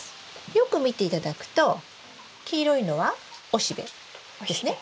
よく見て頂くと黄色いのは雄しべですね？